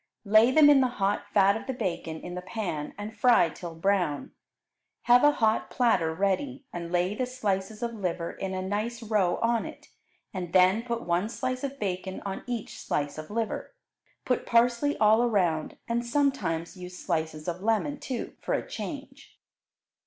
Lay them in the hot fat of the bacon in the pan and fry till brown. Have a hot platter ready, and lay the slices of liver in a nice row on it, and then put one slice of bacon on each slice of liver. Put parsley all around, and sometimes use slices of lemon, too, for a change.